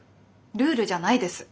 ルールじゃないです。